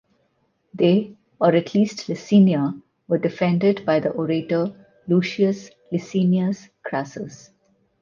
They (or at least Licinia) were defended by the orator Lucius Licinius Crassus.